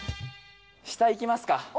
「下いきますか」